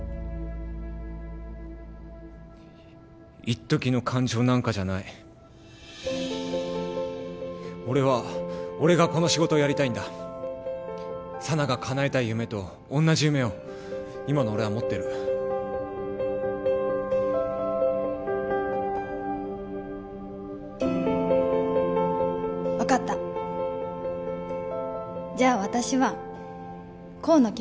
いっときの感情なんかじゃない俺は俺がこの仕事をやりたいんだ佐奈がかなえたい夢と同じ夢を今の俺は持ってる分かったじゃあ私は功の決めたことを尊重する